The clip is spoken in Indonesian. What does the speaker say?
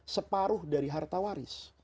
separuh dari harta waris